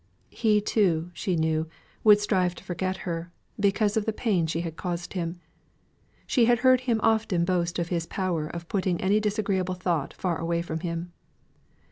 He too, she knew, would strive to forget her, because of the pain she had caused him. She had heard him often boast of his power of putting any disagreeable thought far away from him.